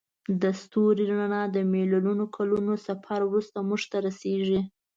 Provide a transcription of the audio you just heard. د ستوري رڼا د میلیونونو کلونو سفر وروسته موږ ته رسیږي.